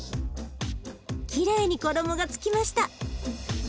きれいに衣がつきました。